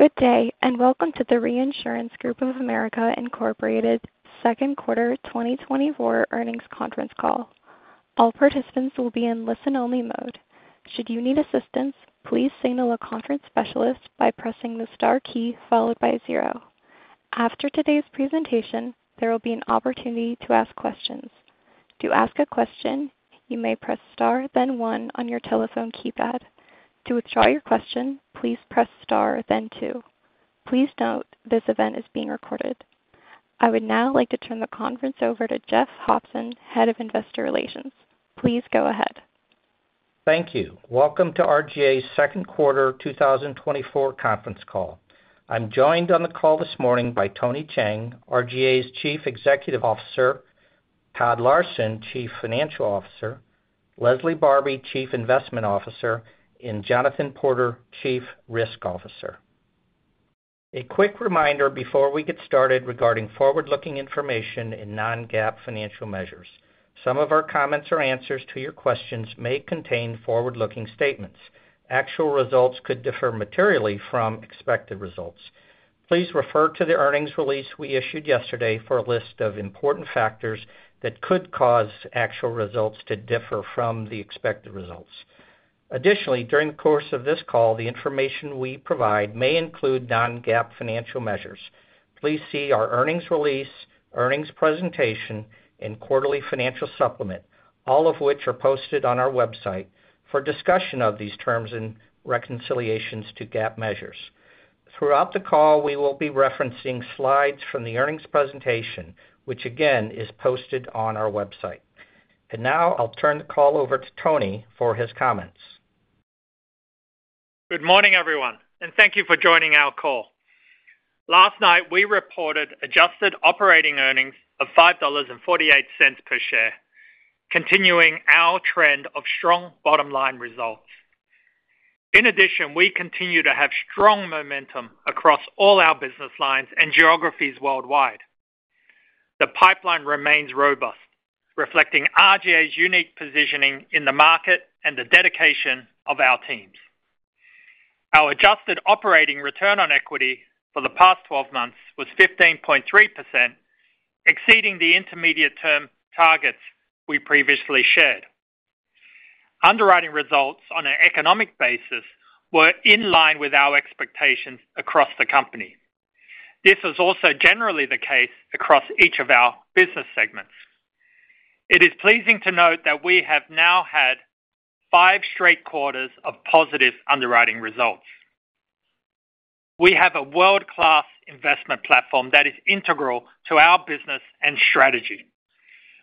Good day, and welcome to the Reinsurance Group of America Incorporated Second Quarter 2024 Earnings Conference Call. All participants will be in listen-only mode. Should you need assistance, please signal a conference specialist by pressing the star key followed by zero. After today's presentation, there will be an opportunity to ask questions. To ask a question, you may press star, then one on your telephone keypad. To withdraw your question, please press star, then two. Please note this event is being recorded. I would now like to turn the conference over to Jeff Hopson, Head of Investor Relations. Please go ahead. Thank you. Welcome to RGA's second quarter 2024 conference call. I'm joined on the call this morning by Tony Cheng, RGA's Chief Executive Officer; Todd Larson, Chief Financial Officer; Leslie Barbi, Chief Investment Officer; and Jonathan Porter, Chief Risk Officer. A quick reminder before we get started regarding forward-looking information in non-GAAP financial measures. Some of our comments or answers to your questions may contain forward-looking statements. Actual results could differ materially from expected results. Please refer to the earnings release we issued yesterday for a list of important factors that could cause actual results to differ from the expected results. Additionally, during the course of this call, the information we provide may include non-GAAP financial measures. Please see our earnings release, earnings presentation, and quarterly financial supplement, all of which are posted on our website for discussion of these terms and reconciliations to GAAP measures. Throughout the call, we will be referencing slides from the earnings presentation, which again is posted on our website. Now I'll turn the call over to Tony for his comments. Good morning, everyone, and thank you for joining our call. Last night, we reported adjusted operating earnings of $5.48 per share, continuing our trend of strong bottom line results. In addition, we continue to have strong momentum across all our business lines and geographies worldwide. The pipeline remains robust, reflecting RGA's unique positioning in the market and the dedication of our teams. Our adjusted operating return on equity for the past 12 months was 15.3%, exceeding the intermediate-term targets we previously shared. Underwriting results on an economic basis were in line with our expectations across the company. This was also generally the case across each of our business segments. It is pleasing to note that we have now had five straight quarters of positive underwriting results. We have a world-class investment platform that is integral to our business and strategy.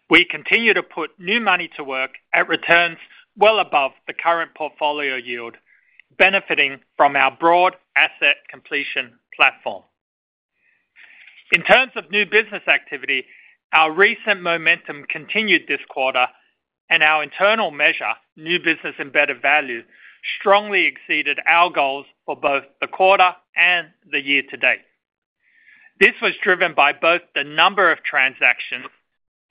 We continue to put new money to work at returns well above the current portfolio yield, benefiting from our broad asset completion platform. In terms of new business activity, our recent momentum continued this quarter, and our internal measure, New Business Embedded Value, strongly exceeded our goals for both the quarter and the year to date. This was driven by both the number of transactions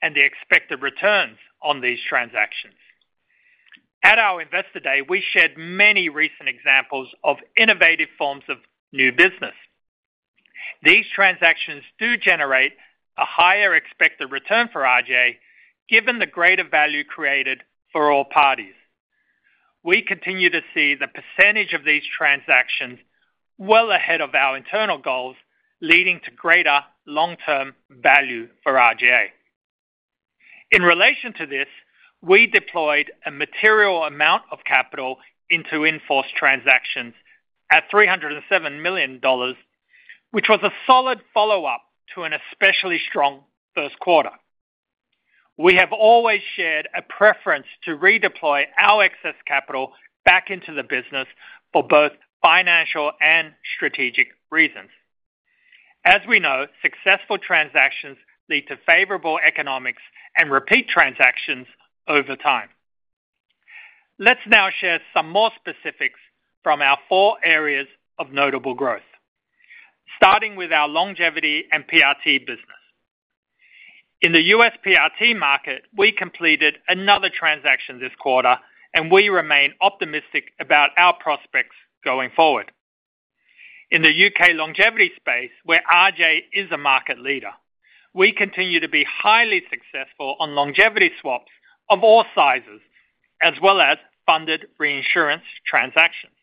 and the expected returns on these transactions. At our Investor Day, we shared many recent examples of innovative forms of new business. These transactions do generate a higher expected return for RGA given the greater value created for all parties. We continue to see the percentage of these transactions well ahead of our internal goals, leading to greater long-term value for RGA. In relation to this, we deployed a material amount of capital into in-force transactions at $307 million, which was a solid follow-up to an especially strong first quarter. We have always shared a preference to redeploy our excess capital back into the business for both financial and strategic reasons. As we know, successful transactions lead to favorable economics and repeat transactions over time. Let's now share some more specifics from our four areas of notable growth, starting with our longevity and PRT business. In the U.S. PRT market, we completed another transaction this quarter, and we remain optimistic about our prospects going forward. In the U.K. longevity space, where RGA is a market leader, we continue to be highly successful on longevity swaps of all sizes, as well as funded reinsurance transactions.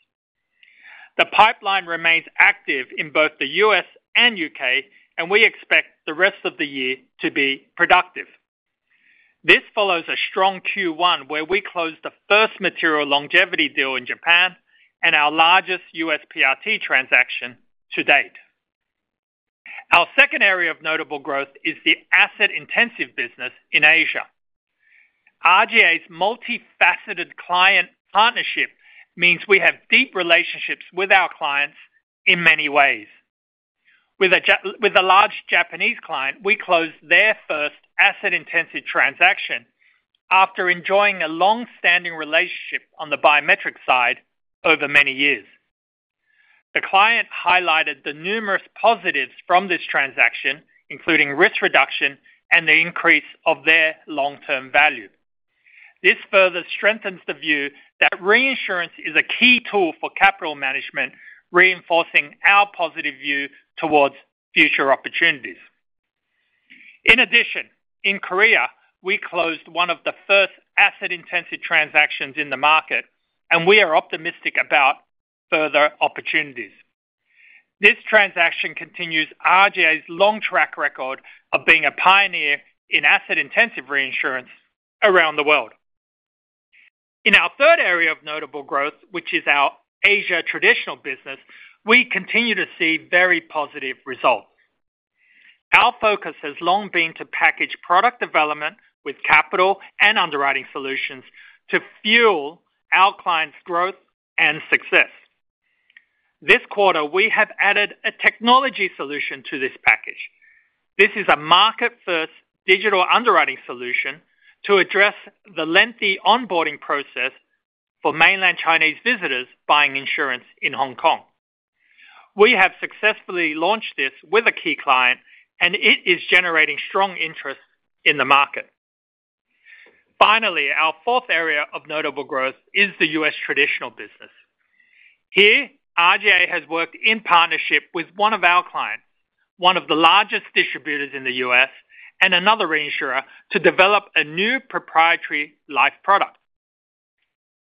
The pipeline remains active in both the U.S. and U.K., and we expect the rest of the year to be productive. This follows a strong Q1, where we closed the first material longevity deal in Japan and our largest U.S. PRT transaction to date. Our second area of notable growth is the asset-intensive business in Asia. RGA's multifaceted client partnership means we have deep relationships with our clients in many ways. With a large Japanese client, we closed their first asset-intensive transaction after enjoying a long-standing relationship on the biometric side over many years. The client highlighted the numerous positives from this transaction, including risk reduction and the increase of their long-term value. This further strengthens the view that reinsurance is a key tool for capital management, reinforcing our positive view towards future opportunities. In addition, in Korea, we closed one of the first asset-intensive transactions in the market, and we are optimistic about further opportunities. This transaction continues RGA's long track record of being a pioneer in asset-intensive reinsurance around the world. In our third area of notable growth, which is our Asia traditional business, we continue to see very positive results. Our focus has long been to package product development with capital and underwriting solutions to fuel our clients' growth and success. This quarter, we have added a technology solution to this package. This is a market-first digital underwriting solution to address the lengthy onboarding process for mainland Chinese visitors buying insurance in Hong Kong. We have successfully launched this with a key client, and it is generating strong interest in the market. Finally, our fourth area of notable growth is the U.S. traditional business. Here, RGA has worked in partnership with one of our clients, one of the largest distributors in the U.S., and another reinsurer to develop a new proprietary life product.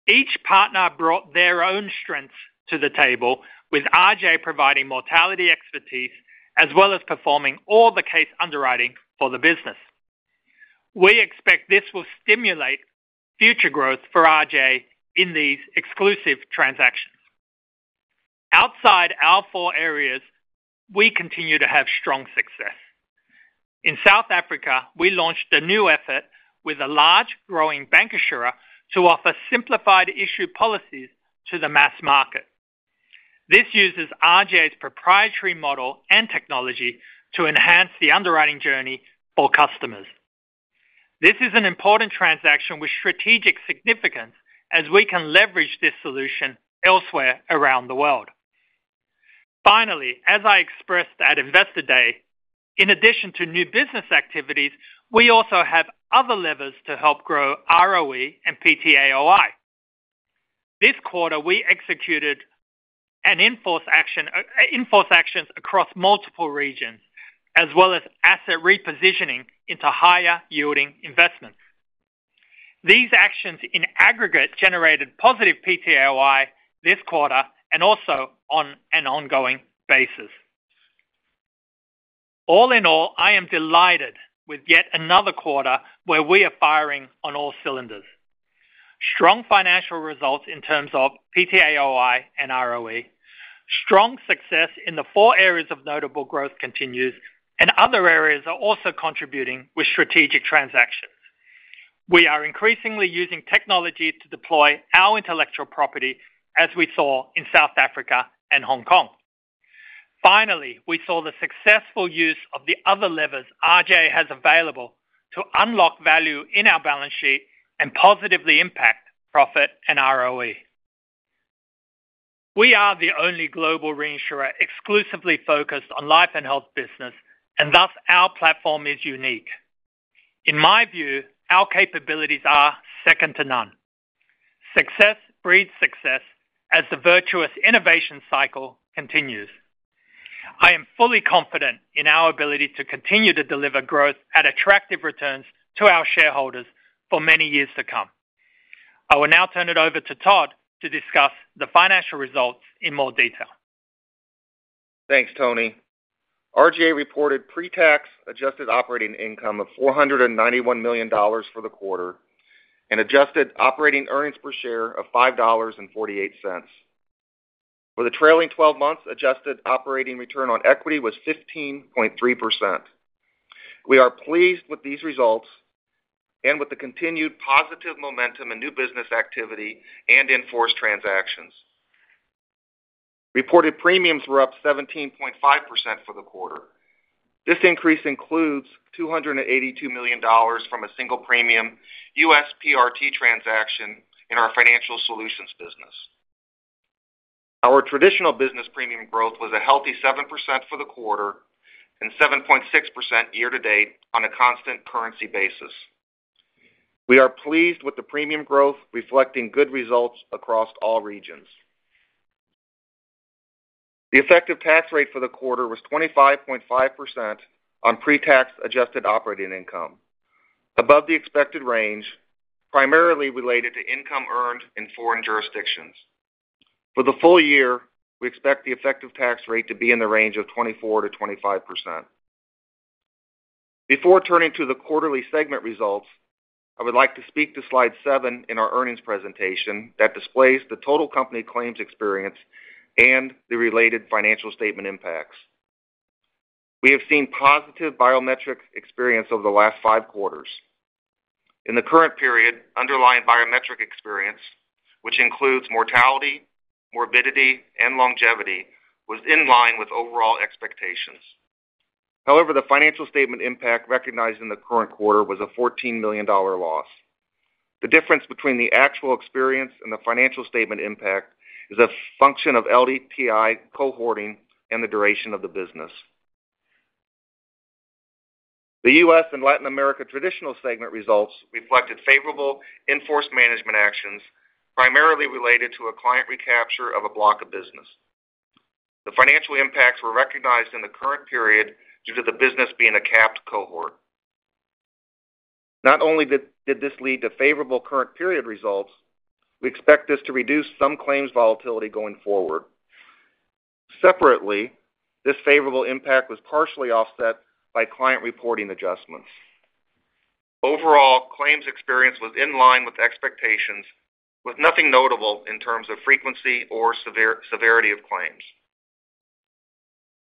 Each partner brought their own strengths to the table, with RGA providing mortality expertise as well as performing all the case underwriting for the business. We expect this will stimulate future growth for RGA in these exclusive transactions. Outside our four areas, we continue to have strong success. In South Africa, we launched a new effort with a large growing bancassurer to offer simplified issue policies to the mass market. This uses RGA's proprietary model and technology to enhance the underwriting journey for customers. This is an important transaction with strategic significance, as we can leverage this solution elsewhere around the world. Finally, as I expressed at Investor Day, in addition to new business activities, we also have other levers to help grow ROE and PTAOI. This quarter, we executed in-force actions across multiple regions, as well as asset repositioning into higher-yielding investments. These actions, in aggregate, generated positive PTAOI this quarter and also on an ongoing basis. All in all, I am delighted with yet another quarter where we are firing on all cylinders. Strong financial results in terms of PTAOI and ROE, strong success in the four areas of notable growth continues, and other areas are also contributing with strategic transactions. We are increasingly using technology to deploy our intellectual property, as we saw in South Africa and Hong Kong. Finally, we saw the successful use of the other levers RGA has available to unlock value in our balance sheet and positively impact profit and ROE. We are the only global reinsurer exclusively focused on life and health business, and thus our platform is unique. In my view, our capabilities are second to none. Success breeds success as the virtuous innovation cycle continues. I am fully confident in our ability to continue to deliver growth at attractive returns to our shareholders for many years to come. I will now turn it over to Todd to discuss the financial results in more detail. Thanks, Tony. RGA reported pre-tax adjusted operating income of $491 million for the quarter and adjusted operating earnings per share of $5.48. For the trailing 12 months, adjusted operating return on equity was 15.3%. We are pleased with these results and with the continued positive momentum in new business activity and in-force transactions. Reported premiums were up 17.5% for the quarter. This increase includes $282 million from a single premium U.S. PRT transaction in our financial solutions business. Our traditional business premium growth was a healthy 7% for the quarter and 7.6% year-to-date on a constant currency basis. We are pleased with the premium growth, reflecting good results across all regions. The effective tax rate for the quarter was 25.5% on pre-tax adjusted operating income, above the expected range, primarily related to income earned in foreign jurisdictions. For the full year, we expect the effective tax rate to be in the range of 24%-25%. Before turning to the quarterly segment results, I would like to speak to slide seven in our earnings presentation that displays the total company claims experience and the related financial statement impacts. We have seen positive biometric experience over the last five quarters. In the current period, underlying biometric experience, which includes mortality, morbidity, and longevity, was in line with overall expectations. However, the financial statement impact recognized in the current quarter was a $14 million loss. The difference between the actual experience and the financial statement impact is a function of LFPB cohorting and the duration of the business. The U.S. and Latin America traditional segment results reflected favorable in-force management actions, primarily related to a client recapture of a block of business. The financial impacts were recognized in the current period due to the business being a capped cohort. Not only did this lead to favorable current period results, we expect this to reduce some claims volatility going forward. Separately, this favorable impact was partially offset by client reporting adjustments. Overall, claims experience was in line with expectations, with nothing notable in terms of frequency or severity of claims.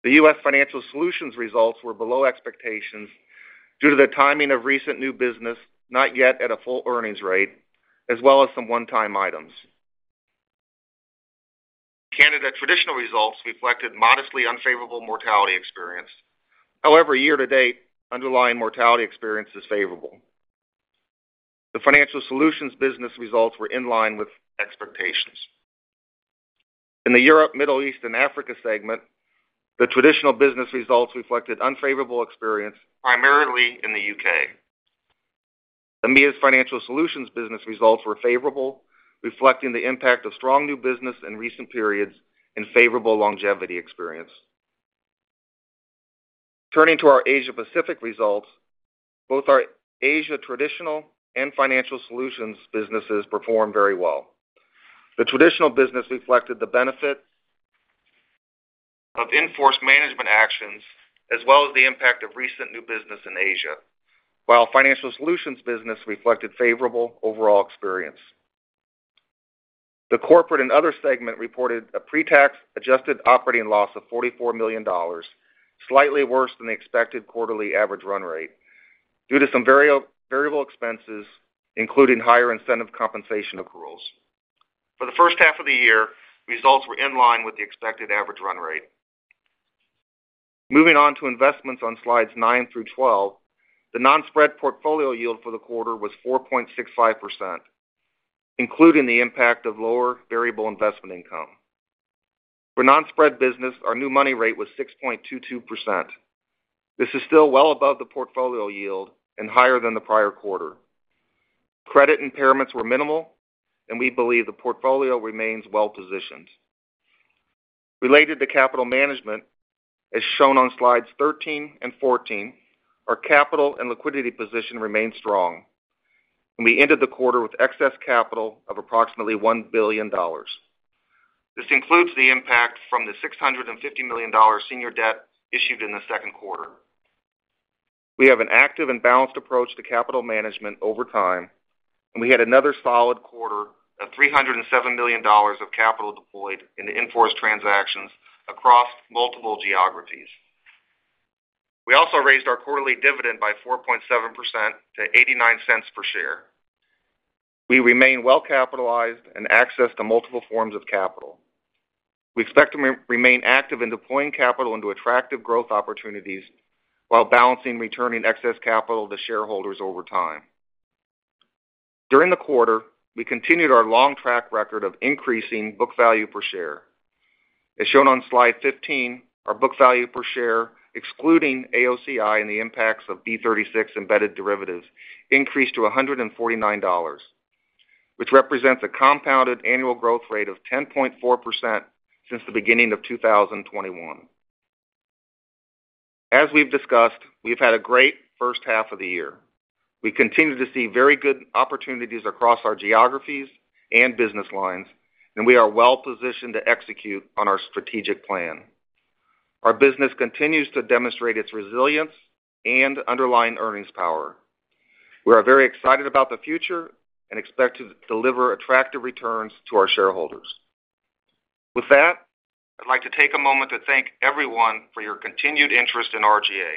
The U.S. financial solutions results were below expectations due to the timing of recent new business, not yet at a full earnings rate, as well as some one-time items. Canada traditional results reflected modestly unfavorable mortality experience. However, year to date, underlying mortality experience is favorable. The financial solutions business results were in line with expectations. In the Europe, Middle East, and Africa segment, the traditional business results reflected unfavorable experience, primarily in the U.K. The EMEA financial solutions business results were favorable, reflecting the impact of strong new business in recent periods and favorable longevity experience. Turning to our Asia Pacific results, both our Asia traditional and financial solutions businesses performed very well. The traditional business reflected the benefit of in-force management actions as well as the impact of recent new business in Asia, while financial solutions business reflected favorable overall experience. The corporate and other segment reported a pre-tax adjusted operating loss of $44 million, slightly worse than the expected quarterly average run rate due to some variable expenses, including higher incentive compensation accruals. For the first half of the year, results were in line with the expected average run rate. Moving on to investments on slides 9 through 12, the non-spread portfolio yield for the quarter was 4.65%, including the impact of lower variable investment income. For non-spread business, our new money rate was 6.22%. This is still well above the portfolio yield and higher than the prior quarter. Credit impairments were minimal, and we believe the portfolio remains well positioned. Related to capital management, as shown on slides 13 and 14, our capital and liquidity position remained strong, and we ended the quarter with excess capital of approximately $1 billion. This includes the impact from the $650 million senior debt issued in the second quarter. We have an active and balanced approach to capital management over time, and we had another solid quarter of $307 million of capital deployed in in-force transactions across multiple geographies. We also raised our quarterly dividend by 4.7% to $0.89 per share. We remain well capitalized and access to multiple forms of capital. We expect to remain active in deploying capital into attractive growth opportunities while balancing returning excess capital to shareholders over time. During the quarter, we continued our long track record of increasing book value per share. As shown on slide 15, our book value per share, excluding AOCI and the impacts of B36 embedded derivatives, increased to $149, which represents a compounded annual growth rate of 10.4% since the beginning of 2021. As we've discussed, we've had a great first half of the year. We continue to see very good opportunities across our geographies and business lines, and we are well positioned to execute on our strategic plan. Our business continues to demonstrate its resilience and underlying earnings power. We are very excited about the future and expect to deliver attractive returns to our shareholders. With that, I'd like to take a moment to thank everyone for your continued interest in RGA.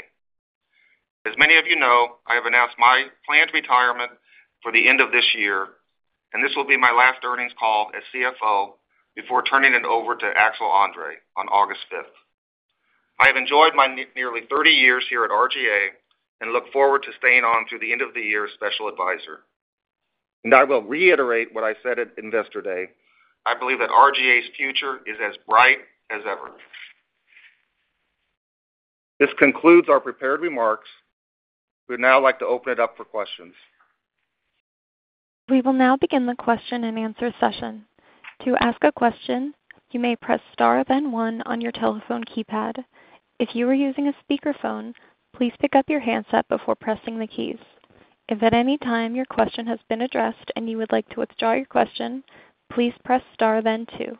As many of you know, I have announced my planned retirement for the end of this year, and this will be my last earnings call as CFO before turning it over to Axel André on August 5th. I have enjoyed my nearly 30 years here at RGA and look forward to staying on through the end of the year as special advisor. And I will reiterate what I said at Investor Day: I believe that RGA's future is as bright as ever. This concludes our prepared remarks. We'd now like to open it up for questions. We will now begin the question and answer session. To ask a question, you may press star then one on your telephone keypad. If you are using a speakerphone, please pick up your handset before pressing the keys. If at any time your question has been addressed and you would like to withdraw your question, please press star then two.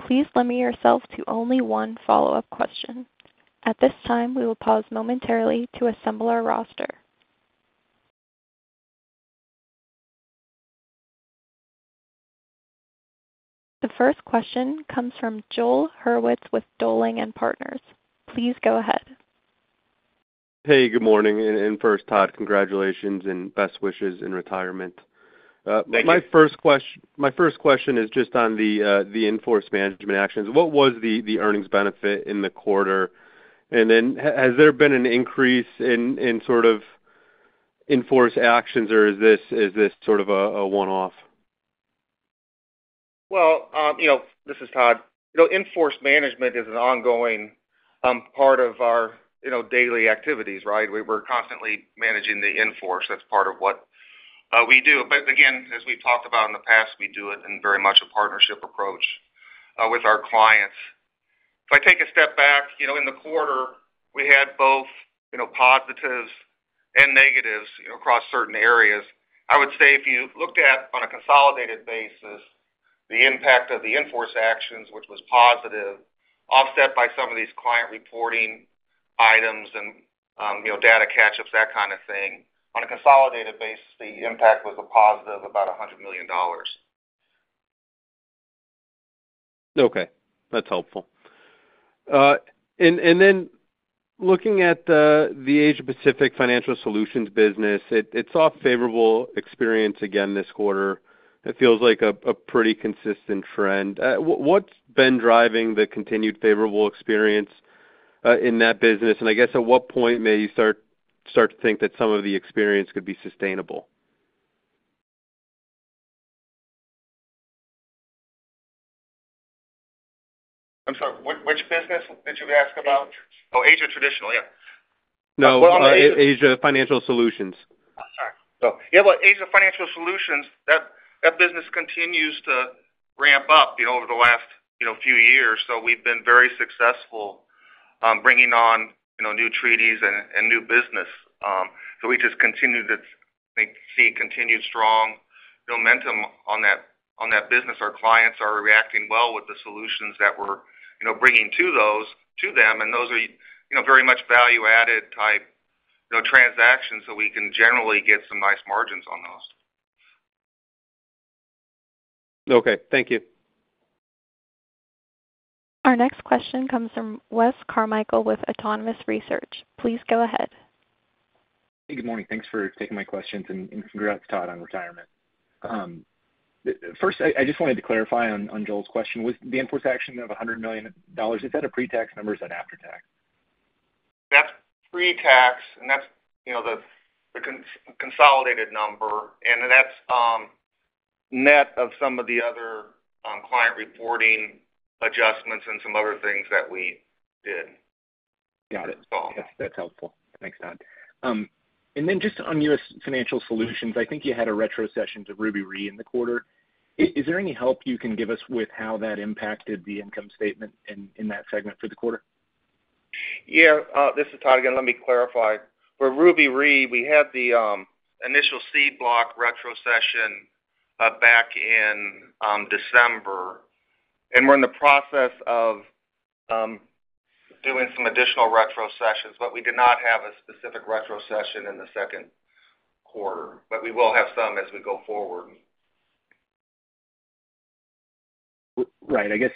Please limit yourself to only one follow-up question. At this time, we will pause momentarily to assemble our roster. The first question comes from Joel Hurwitz with Dowling & Partners. Please go ahead. Hey, good morning. And first, Todd, congratulations and best wishes in retirement. My first question is just on the in-force management actions. What was the earnings benefit in the quarter? And then has there been an increase in sort of in-force actions, or is this sort of a one-off? Well, this is Todd. In-force management is an ongoing part of our daily activities, right? We're constantly managing the in-force. That's part of what we do. But again, as we've talked about in the past, we do it in very much a partnership approach with our clients. If I take a step back, in the quarter, we had both positives and negatives across certain areas. I would say if you looked at, on a consolidated basis, the impact of the in-force actions, which was positive, offset by some of these client reporting items and data catch-ups, that kind of thing, on a consolidated basis, the impact was a positive of about $100 million. Okay. That's helpful. And then looking at the Asia Pacific financial solutions business, it saw favorable experience again this quarter. It feels like a pretty consistent trend. What's been driving the continued favorable experience in that business? And I guess at what point may you start to think that some of the experience could be sustainable? I'm sorry. Which business did you ask about? Oh, Asia traditional, yeah. No. Asia financial solutions. Yeah, well, Asia financial solutions, that business continues to ramp up over the last few years. So we've been very successful bringing on new treaties and new business. So we just continue to see continued strong momentum on that business. Our clients are reacting well with the solutions that we're bringing to them, and those are very much value-added type transactions, so we can generally get some nice margins on those. Okay. Thank you. Our next question comes from Wes Carmichael with Autonomous Research. Please go ahead. Hey, good morning. Thanks for taking my questions and congrats, Todd, on retirement. First, I just wanted to clarify on Joel's question. Was the in-force action of $100 million, is that a pre-tax number or is that after-tax? That's pre-tax, and that's the consolidated number. That's net of some of the other client reporting adjustments and some other things that we did. Got it. That's helpful. Thanks, Todd. And then just on U.S. financial solutions, I think you had a retrocession to Ruby Re in the quarter. Is there any help you can give us with how that impacted the income statement in that segment for the quarter? Yeah. This is Todd again. Let me clarify. For Ruby Re, we had the initial seed block retrocession back in December, and we're in the process of doing some additional retrocessions, but we did not have a specific retrocession in the second quarter. But we will have some as we go forward. Right. I guess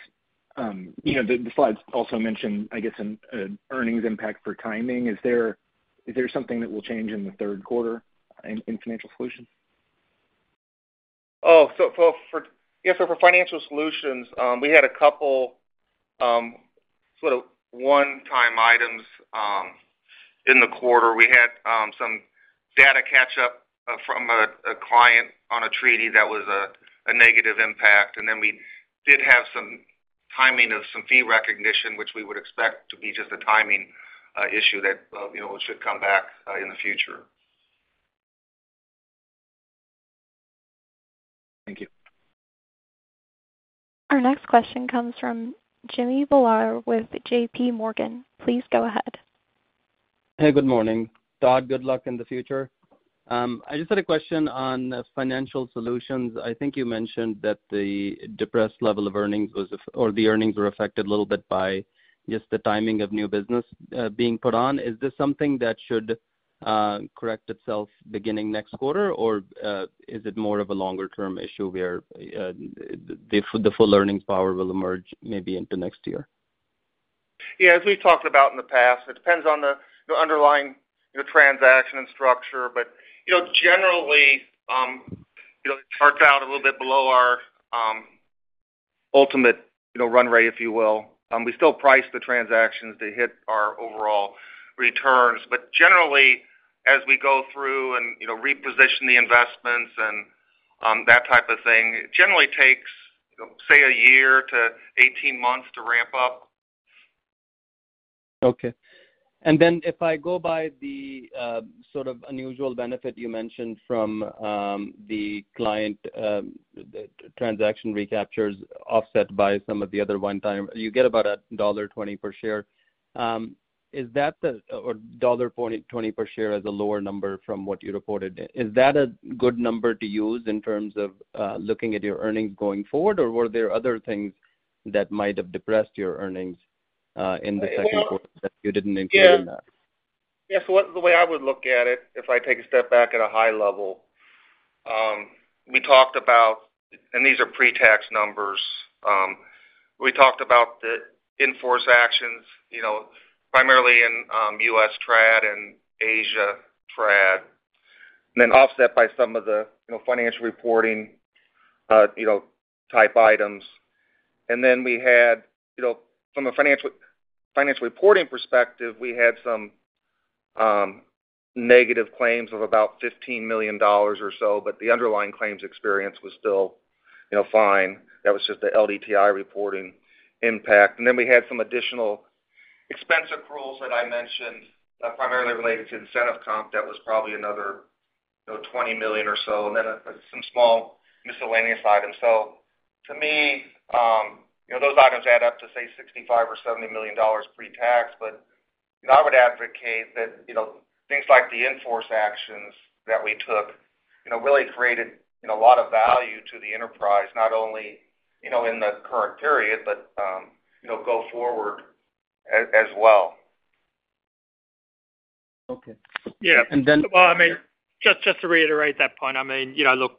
the slides also mentioned, I guess, an earnings impact for timing. Is there something that will change in the third quarter in financial solutions? Oh, yeah. So for financial solutions, we had a couple sort of one-time items in the quarter. We had some data catch-up from a client on a treaty that was a negative impact. And then we did have some timing of some fee recognition, which we would expect to be just a timing issue that should come back in the future. Thank you. Our next question comes from Jimmy Bhullar with JPMorgan. Please go ahead. Hey, good morning. Todd, good luck in the future. I just had a question on financial solutions. I think you mentioned that the depressed level of earnings or the earnings were affected a little bit by just the timing of new business being put on. Is this something that should correct itself beginning next quarter, or is it more of a longer-term issue where the full earnings power will emerge maybe into next year? Yeah. As we've talked about in the past, it depends on the underlying transaction and structure. But generally, it starts out a little bit below our ultimate run rate, if you will. We still price the transactions to hit our overall returns. But generally, as we go through and reposition the investments and that type of thing, it generally takes, say, 1 year to 18 months to ramp up. Okay. And then if I go by the sort of unusual benefit you mentioned from the client transaction recaptures offset by some of the other one-time, you get about $1.20 per share. Is that the $1.20 per share as a lower number from what you reported? Is that a good number to use in terms of looking at your earnings going forward, or were there other things that might have depressed your earnings in the second quarter that you didn't include in that? Yeah. So the way I would look at it, if I take a step back at a high level, we talked about, and these are pre-tax numbers, we talked about the in-force actions primarily in U.S. Trad and Asia Trad, and then offset by some of the financial reporting type items. And then we had, from a financial reporting perspective, we had some negative claims of about $15 million or so, but the underlying claims experience was still fine. That was just the LDTI reporting impact. And then we had some additional expense accruals that I mentioned that are primarily related to incentive comp. That was probably another $20 million or so, and then some small miscellaneous items. So to me, those items add up to, say, $65 or $70 million pre-tax. I would advocate that things like the in-force actions that we took really created a lot of value to the enterprise, not only in the current period but go forward as well. Okay. And then. Well, I mean, just to reiterate that point, I mean, look,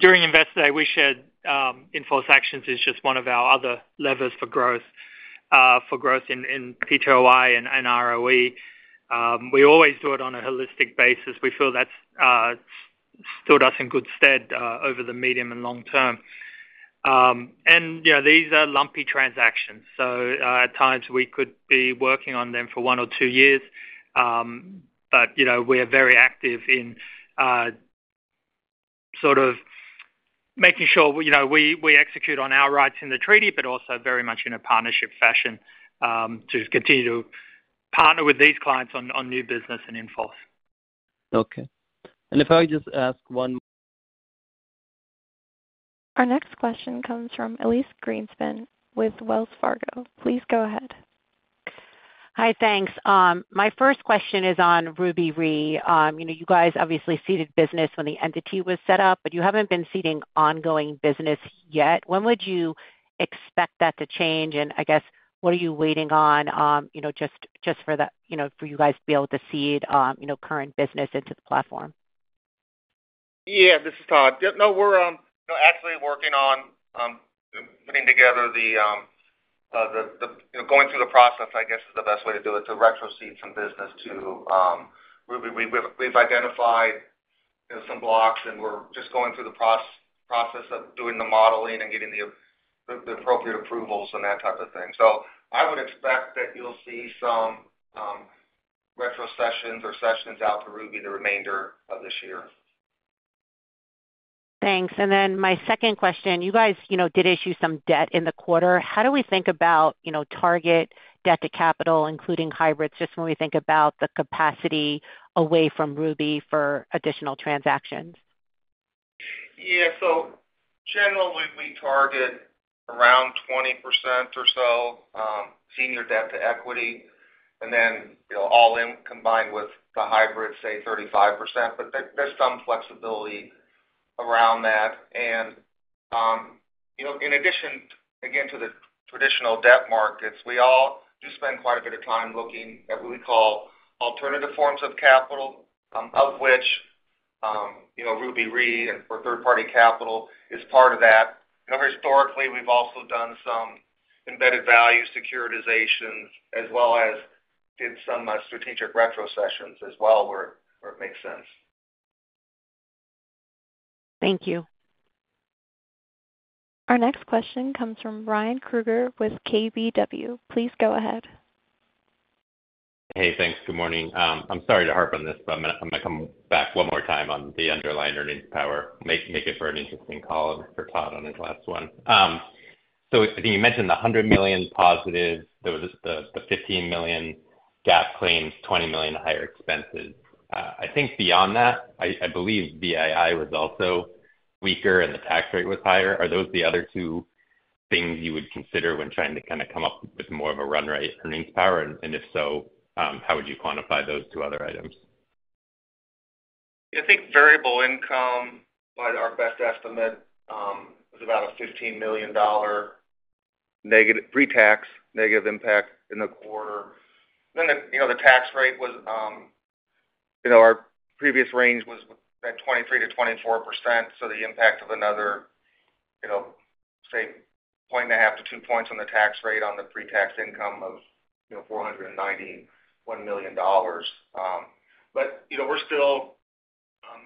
during Investor Day, we shared in-force actions is just one of our other levers for growth in PTOI and ROE. We always do it on a holistic basis. We feel that still does in good stead over the medium and long term. And these are lumpy transactions. So at times, we could be working on them for one or two years, but we are very active in sort of making sure we execute on our rights in the treaty, but also very much in a partnership fashion to continue to partner with these clients on new business and in-force. Okay. And if I just ask one. Our next question comes from Elyse Greenspan with Wells Fargo. Please go ahead. Hi, thanks. My first question is on Ruby Re. You guys obviously seeded business when the entity was set up, but you haven't been seeding ongoing business yet. When would you expect that to change? And I guess, what are you waiting on just for you guys to be able to seed current business into the platform? Yeah. This is Todd. No, we're actually working on putting together—going through the process, I guess, is the best way to do it—to retrocede some business to Ruby Re. We've identified some blocks, and we're just going through the process of doing the modeling and getting the appropriate approvals and that type of thing. So I would expect that you'll see some retrocessions out to Ruby Re the remainder of this year. Thanks. And then my second question, you guys did issue some debt in the quarter. How do we think about target debt to capital, including hybrids, just when we think about the capacity away from Ruby for additional transactions? Yeah. So generally, we target around 20% or so senior debt to equity, and then all in combined with the hybrid, say, 35%. But there's some flexibility around that. And in addition, again, to the traditional debt markets, we all do spend quite a bit of time looking at what we call alternative forms of capital, of which Ruby Re and third-party capital is part of that. Historically, we've also done some embedded value securitizations as well as did some strategic retrocessions as well where it makes sense. Thank you. Our next question comes from Ryan Krueger with KBW. Please go ahead. Hey, thanks. Good morning. I'm sorry to harp on this, but I'm going to come back one more time on the underlying earnings power. Make it for an interesting call for Todd on his last one. So you mentioned the $100 million positive, the $15 million GAAP claims, $20 million higher expenses. I think beyond that, I believe VII was also weaker and the tax rate was higher. Are those the other two things you would consider when trying to kind of come up with more of a run rate earnings power? And if so, how would you quantify those two other items? Yeah. I think variable income, by our best estimate, was about a $15 million pre-tax negative impact in the quarter. Then the tax rate, our previous range was at 23%-24%. So the impact of another, say, 1.5-2 points on the tax rate on the pre-tax income of $491 million. But we're still,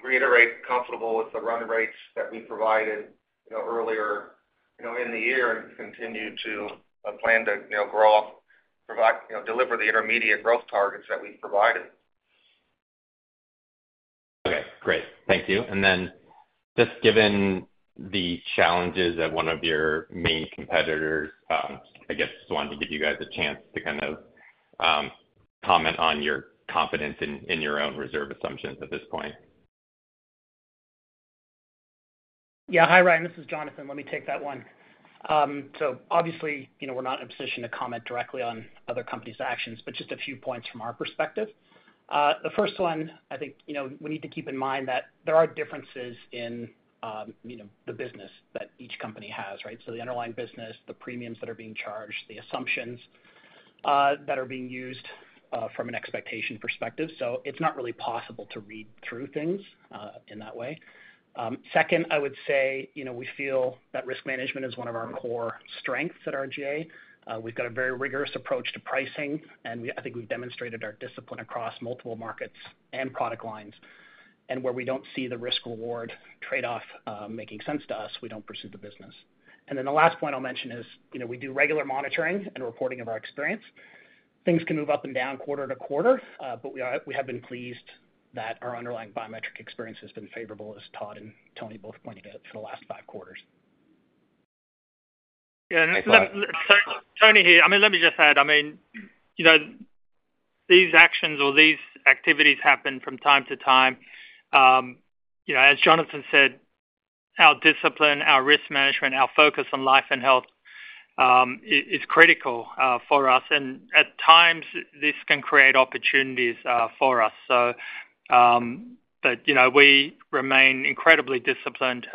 reiterate, comfortable with the run rates that we provided earlier in the year and continue to plan to grow, deliver the intermediate growth targets that we've provided. Okay. Great. Thank you. And then just given the challenges at one of your main competitors, I guess just wanted to give you guys a chance to kind of comment on your confidence in your own reserve assumptions at this point? Yeah. Hi, Ryan. This is Jonathan. Let me take that one. So obviously, we're not in a position to comment directly on other companies' actions, but just a few points from our perspective. The first one, I think we need to keep in mind that there are differences in the business that each company has, right? So the underlying business, the premiums that are being charged, the assumptions that are being used from an expectation perspective. So it's not really possible to read through things in that way. Second, I would say we feel that risk management is one of our core strengths at RGA. We've got a very rigorous approach to pricing, and I think we've demonstrated our discipline across multiple markets and product lines. And where we don't see the risk-reward trade-off making sense to us, we don't pursue the business. And then the last point I'll mention is we do regular monitoring and reporting of our experience. Things can move up and down quarter to quarter, but we have been pleased that our underlying biometric experience has been favorable, as Todd and Tony both pointed out for the last five quarters. Yeah. Tony here. I mean, let me just add, I mean, these actions or these activities happen from time to time. As Jonathan said, our discipline, our risk management, our focus on life and health is critical for us. And at times, this can create opportunities for us. But we remain incredibly disciplined,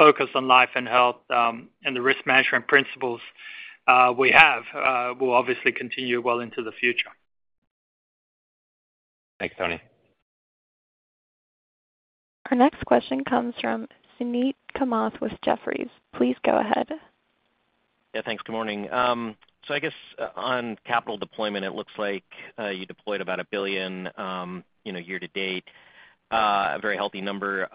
focused on life and health, and the risk management principles we have will obviously continue well into the future. Thanks, Tony. Our next question comes from Suneet Kamath with Jefferies. Please go ahead. Yeah. Thanks. Good morning. So I guess on capital deployment, it looks like you deployed about $1 billion year to date, a very healthy number.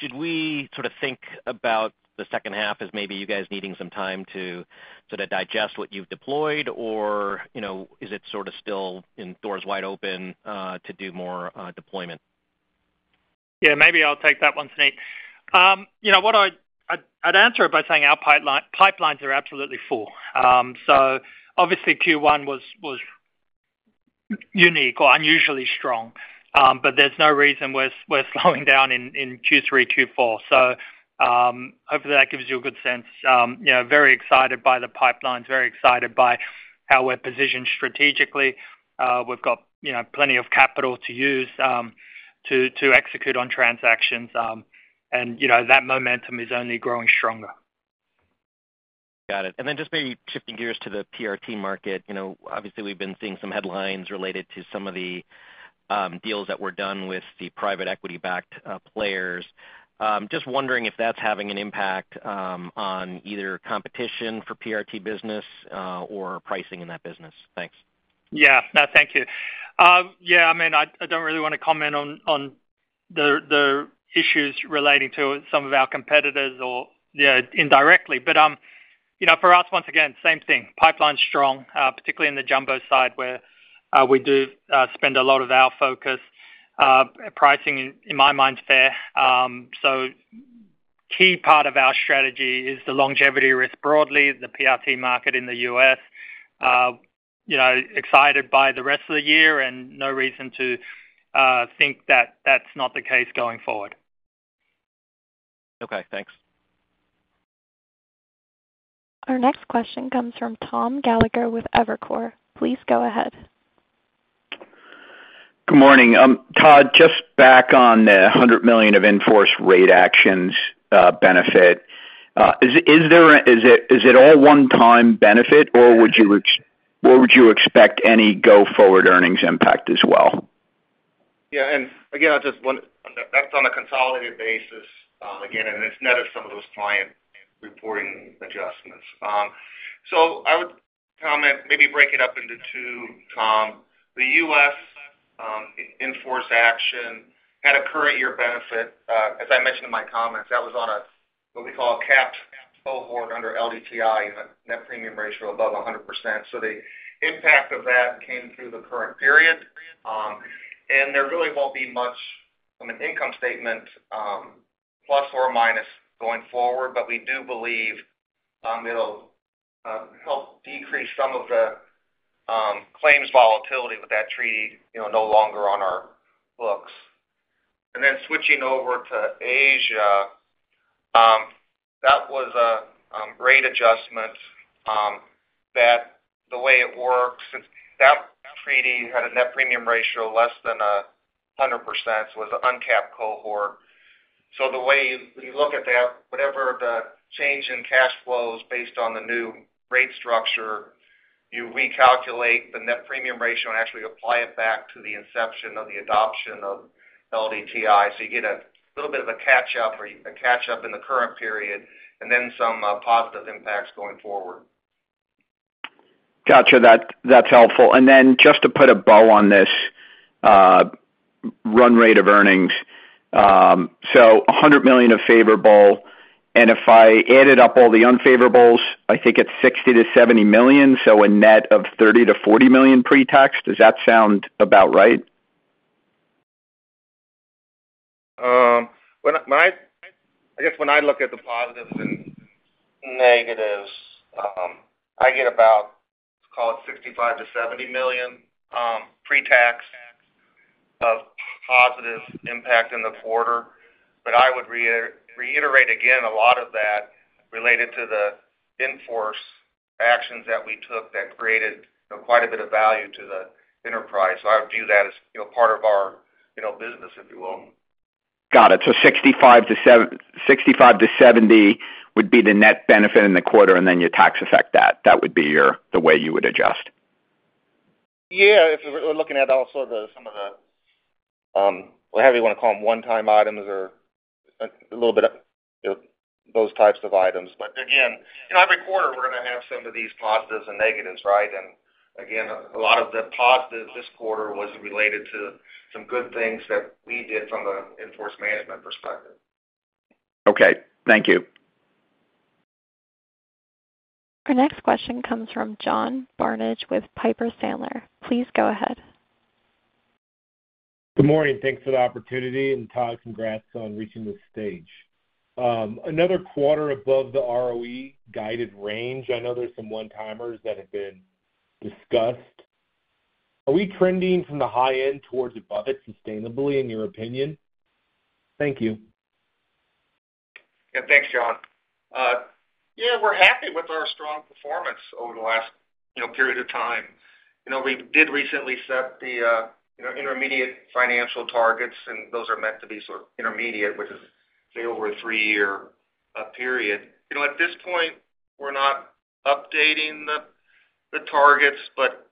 Should we sort of think about the second half as maybe you guys needing some time to sort of digest what you've deployed, or is it sort of still in doors wide open to do more deployment? Yeah. Maybe I'll take that one, Suneet. I'd answer it by saying our pipelines are absolutely full. So obviously, Q1 was unique or unusually strong, but there's no reason we're slowing down in Q3, Q4. So hopefully, that gives you a good sense. Very excited by the pipelines, very excited by how we're positioned strategically. We've got plenty of capital to use to execute on transactions, and that momentum is only growing stronger. Got it. And then just maybe shifting gears to the PRT market, obviously, we've been seeing some headlines related to some of the deals that were done with the private equity-backed players. Just wondering if that's having an impact on either competition for PRT business or pricing in that business. Thanks. Yeah. No, thank you. Yeah. I mean, I don't really want to comment on the issues relating to some of our competitors or indirectly. But for us, once again, same thing. Pipeline's strong, particularly in the jumbo side where we do spend a lot of our focus. Pricing, in my mind, is fair. So key part of our strategy is the longevity risk broadly, the PRT market in the U.S. Excited by the rest of the year and no reason to think that that's not the case going forward. Okay. Thanks. Our next question comes from Tom Gallagher with Evercore. Please go ahead. Good morning. Todd, just back on the $100 million of in-force rate actions benefit, is it all one-time benefit, or would you expect any go-forward earnings impact as well? Yeah. And again, I just want to – that's on a consolidated basis, again, and it's netted some of those client reporting adjustments. So I would comment, maybe, break it up into two. The U.S. in-force action had a current year benefit. As I mentioned in my comments, that was on a what we call a capped cohort under LDTI, net premium ratio above 100%. So the impact of that came through the current period. And there really won't be much from an income statement, plus or minus, going forward, but we do believe it'll help decrease some of the claims volatility with that treaty no longer on our books. And then switching over to Asia, that was a rate adjustment that the way it works, that treaty had a net premium ratio less than 100%, so it was an uncapped cohort. So the way you look at that, whatever the change in cash flows based on the new rate structure, you recalculate the net premium ratio and actually apply it back to the inception of the adoption of LDTI. So you get a little bit of a catch-up or a catch-up in the current period and then some positive impacts going forward. Gotcha. That's helpful. And then just to put a bow on this run rate of earnings, so $100 million of favorable, and if I added up all the unfavorables, I think it's $60 million-$70 million, so a net of $30 million-$40 million pre-tax. Does that sound about right? I guess when I look at the positives and negatives, I get about, let's call it, $65 million-$70 million pre-tax of positive impact in the quarter. But I would reiterate again a lot of that related to the in-force actions that we took that created quite a bit of value to the enterprise. So I would view that as part of our business, if you will. Got it. So 65-70 would be the net benefit in the quarter, and then you tax-effect that. That would be the way you would adjust. Yeah. If we're looking at also some of the, whatever you want to call them, one-time items or a little bit of those types of items. But again, every quarter, we're going to have some of these positives and negatives, right? And again, a lot of the positives this quarter was related to some good things that we did from an in-force management perspective. Okay. Thank you. Our next question comes from John Barnidge with Piper Sandler. Please go ahead. Good morning. Thanks for the opportunity. And Todd, congrats on reaching the stage. Another quarter above the ROE guided range. I know there's some one-timers that have been discussed. Are we trending from the high end towards above it sustainably, in your opinion? Thank you. Yeah. Thanks, John. Yeah. We're happy with our strong performance over the last period of time. We did recently set the intermediate financial targets, and those are meant to be sort of intermediate, which is the over a three-year period. At this point, we're not updating the targets, but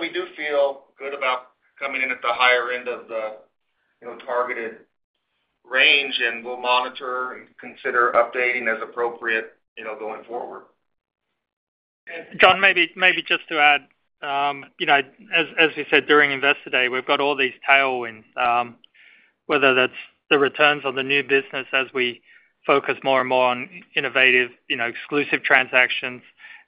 we do feel good about coming in at the higher end of the targeted range, and we'll monitor and consider updating as appropriate going forward. John, maybe just to add, as we said during Investor Day, we've got all these tailwinds, whether that's the returns on the new business as we focus more and more on innovative exclusive transactions.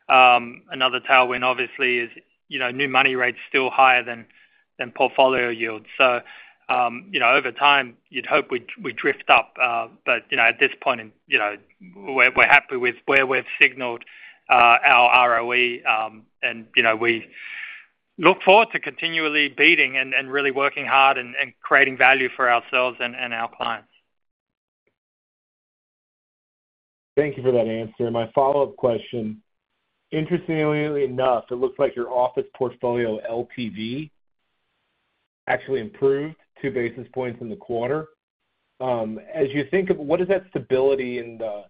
Another tailwind, obviously, is new money rates still higher than portfolio yields. So over time, you'd hope we drift up, but at this point, we're happy with where we've signaled our ROE, and we look forward to continually beating and really working hard and creating value for ourselves and our clients. Thank you for that answer. My follow-up question, interestingly enough, it looks like your office portfolio LTV actually improved two basis points in the quarter. As you think of what does that stability in the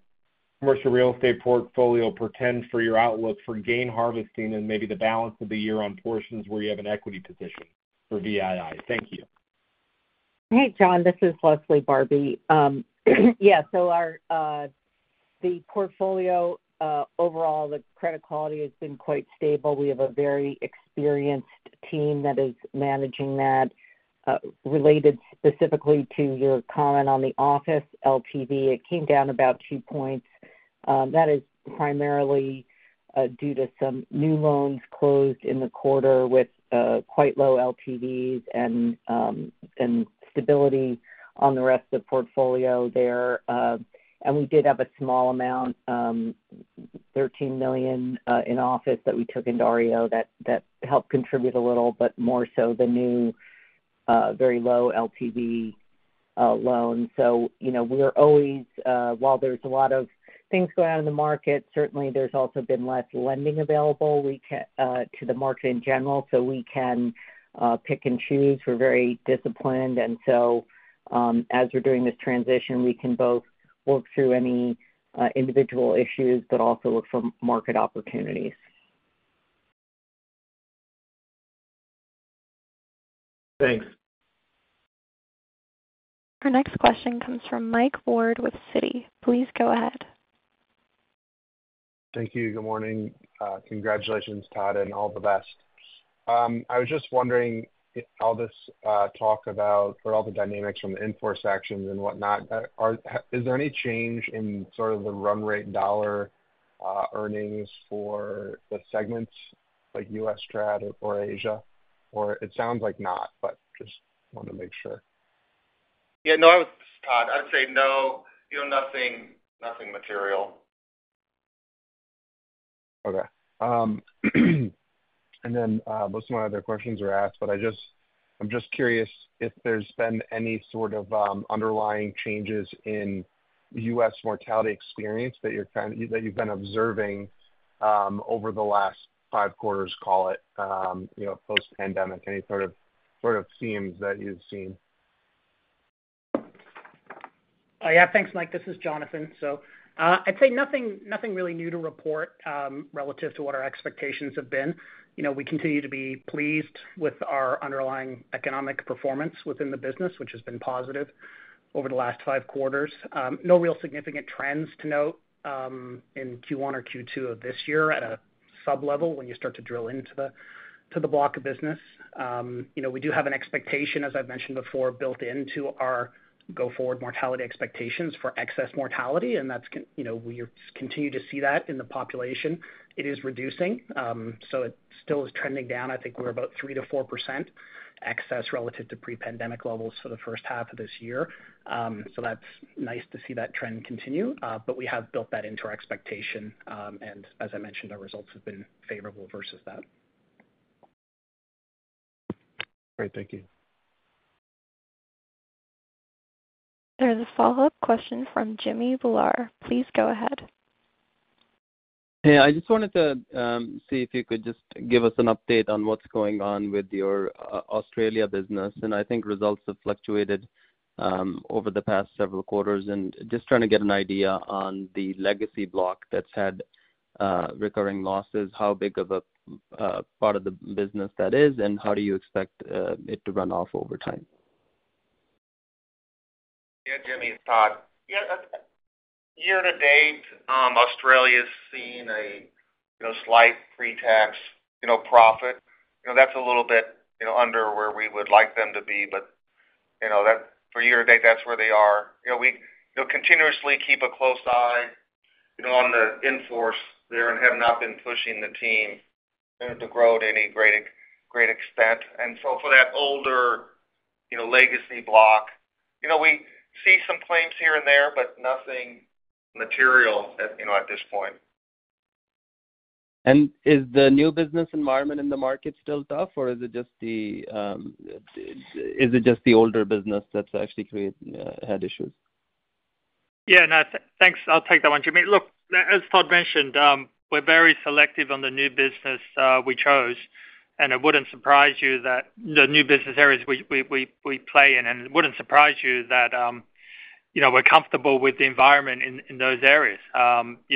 commercial real estate portfolio portend for your outlook for gain harvesting and maybe the balance of the year on portions where you have an equity position for VII? Thank you. Hey, John. This is Leslie Barbi. Yeah. So the portfolio overall, the credit quality has been quite stable. We have a very experienced team that is managing that related specifically to your comment on the office LTV. It came down about two points. That is primarily due to some new loans closed in the quarter with quite low LTVs and stability on the rest of the portfolio there. And we did have a small amount, $13 million in office that we took into REO that helped contribute a little, but more so the new very low LTV loan. So we're always, while there's a lot of things going on in the market, certainly there's also been less lending available to the market in general, so we can pick and choose. We're very disciplined. As we're doing this transition, we can both work through any individual issues but also look for market opportunities. Thanks. Our next question comes from Mike Ward with Citi. Please go ahead. Thank you. Good morning. Congratulations, Todd, and all the best. I was just wondering, all this talk about all the dynamics from the in-force actions and whatnot, is there any change in sort of the run rate dollar earnings for the segments like U.S. Trad, or Asia? Or it sounds like not, but just wanted to make sure. Yeah. No, Todd, I would say no, nothing material. Okay. And then most of my other questions are asked, but I'm just curious if there's been any sort of underlying changes in U.S. mortality experience that you've been observing over the last five quarters, call it, post-pandemic, any sort of themes that you've seen? Yeah. Thanks, Mike. This is Jonathan. So I'd say nothing really new to report relative to what our expectations have been. We continue to be pleased with our underlying economic performance within the business, which has been positive over the last five quarters. No real significant trends to note in Q1 or Q2 of this year at a sub-level when you start to drill into the block of business. We do have an expectation, as I've mentioned before, built into our go-forward mortality expectations for excess mortality, and we continue to see that in the population. It is reducing, so it still is trending down. I think we're about 3%-4% excess relative to pre-pandemic levels for the first half of this year. So that's nice to see that trend continue, but we have built that into our expectation. As I mentioned, our results have been favorable versus that. All right. Thank you. There's a follow-up question from Jimmy Bhullar. Please go ahead. Hey. I just wanted to see if you could just give us an update on what's going on with your Australia business. I think results have fluctuated over the past several quarters. Just trying to get an idea on the legacy block that's had recurring losses, how big of a part of the business that is, and how do you expect it to run off over time? Yeah. Jimmy, Todd. Yeah. Year to date, Australia's seen a slight pre-tax profit. That's a little bit under where we would like them to be, but for year to date, that's where they are. We continuously keep a close eye on the in-force there and have not been pushing the team to grow to any great extent. So for that older legacy block, we see some claims here and there, but nothing material at this point. Is the new business environment in the market still tough, or is it just the older business that's actually had issues? Yeah. No. Thanks. I'll take that one, Jimmy. Look, as Todd mentioned, we're very selective on the new business we chose, and it wouldn't surprise you that the new business areas we play in, and it wouldn't surprise you that we're comfortable with the environment in those areas. And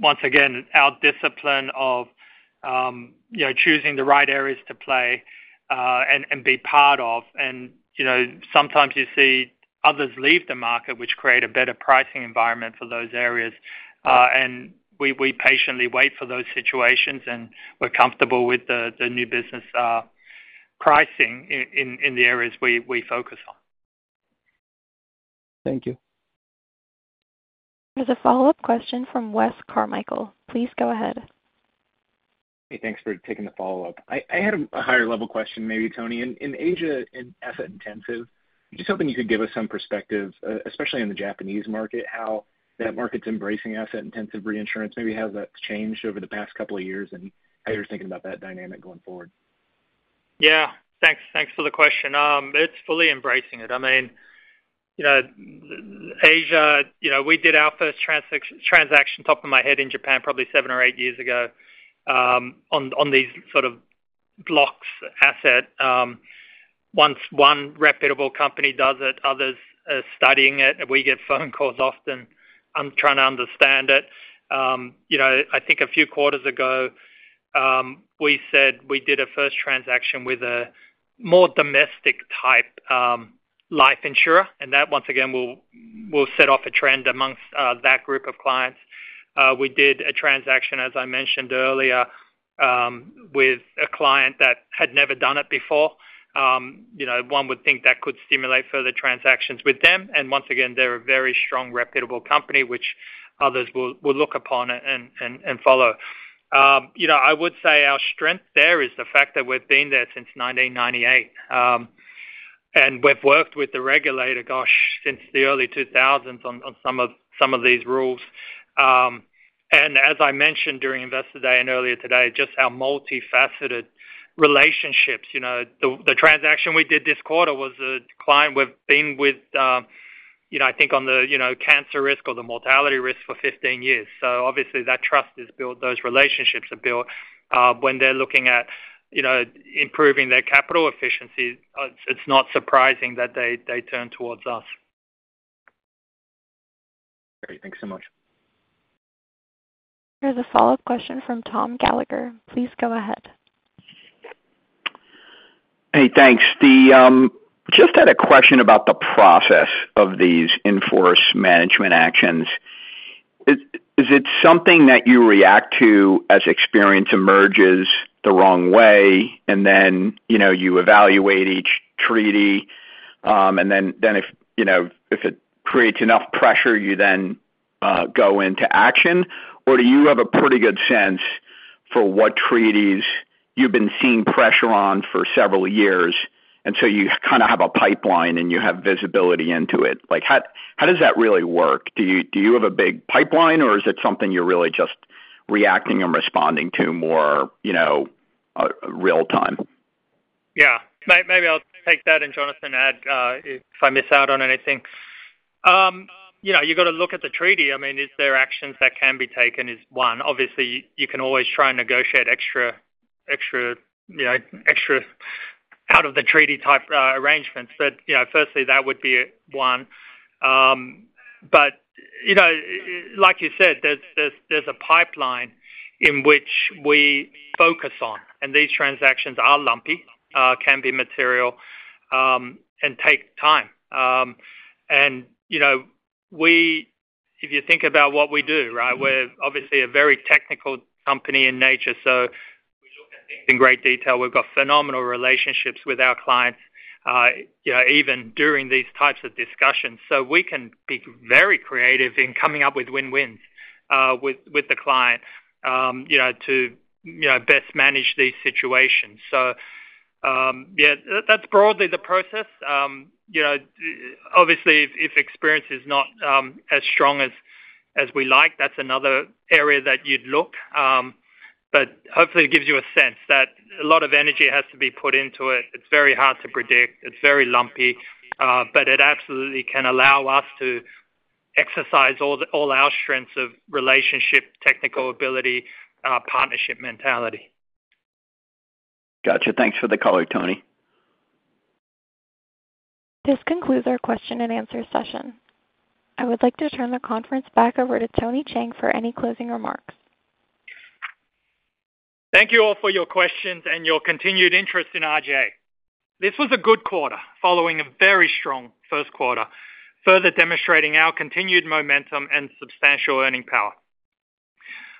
once again, our discipline of choosing the right areas to play and be part of. And sometimes you see others leave the market, which create a better pricing environment for those areas. And we patiently wait for those situations, and we're comfortable with the new business pricing in the areas we focus on. Thank you. There's a follow-up question from Wes Carmichael. Please go ahead. Hey. Thanks for taking the follow-up. I had a higher-level question, maybe, Tony. In Asia, asset-intensive, just hoping you could give us some perspective, especially in the Japanese market, how that market's embracing asset-intensive reinsurance. Maybe how that's changed over the past couple of years and how you're thinking about that dynamic going forward. Yeah. Thanks for the question. It's fully embracing it. I mean, Asia, we did our first transaction, off the top of my head, in Japan probably seven or eight years ago on these sort of asset blocks. Once one reputable company does it, others are studying it, and we get phone calls often trying to understand it. I think a few quarters ago, we said we did a first transaction with a more domestic type life insurer. And that, once again, will set off a trend amongst that group of clients. We did a transaction, as I mentioned earlier, with a client that had never done it before. One would think that could stimulate further transactions with them. And once again, they're a very strong, reputable company, which others will look upon and follow. I would say our strength there is the fact that we've been there since 1998, and we've worked with the regulator, gosh, since the early 2000s on some of these rules. As I mentioned during Investor Day and earlier today, just our multifaceted relationships. The transaction we did this quarter was a client we've been with, I think, on the cancer risk or the mortality risk for 15 years. So obviously, that trust is built. Those relationships are built. When they're looking at improving their capital efficiency, it's not surprising that they turn towards us. Great. Thanks so much. There's a follow-up question from Tom Gallagher. Please go ahead. Hey. Thanks. Just had a question about the process of these in-force management actions. Is it something that you react to as experience emerges the wrong way, and then you evaluate each treaty, and then if it creates enough pressure, you then go into action? Or do you have a pretty good sense for what treaties you've been seeing pressure on for several years, and so you kind of have a pipeline and you have visibility into it? How does that really work? Do you have a big pipeline, or is it something you're really just reacting and responding to more real-time? Yeah. Maybe I'll take that, and Jonathan add if I miss out on anything. You've got to look at the treaty. I mean, is there actions that can be taken is one. Obviously, you can always try and negotiate extra out-of-the-treaty type arrangements. But firstly, that would be one. But like you said, there's a pipeline in which we focus on, and these transactions are lumpy, can be material, and take time. And if you think about what we do, right, we're obviously a very technical company in nature, so we look at things in great detail. We've got phenomenal relationships with our clients even during these types of discussions. So we can be very creative in coming up with win-wins with the client to best manage these situations. So yeah, that's broadly the process. Obviously, if experience is not as strong as we like, that's another area that you'd look. But hopefully, it gives you a sense that a lot of energy has to be put into it. It's very hard to predict. It's very lumpy, but it absolutely can allow us to exercise all our strengths of relationship, technical ability, partnership mentality. Gotcha. Thanks for the call, Tony. This concludes our question and answer session. I would like to turn the conference back over to Tony Cheng for any closing remarks. Thank you all for your questions and your continued interest in RGA. This was a good quarter following a very strong first quarter, further demonstrating our continued momentum and substantial earning power.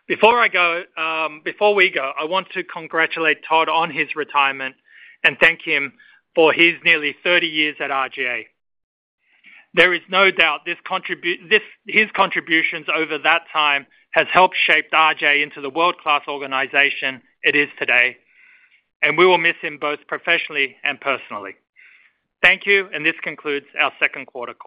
Before we go, I want to congratulate Todd on his retirement and thank him for his nearly 30 years at RGA. There is no doubt his contributions over that time have helped shape RGA into the world-class organization it is today, and we will miss him both professionally and personally. Thank you, and this concludes our second quarter.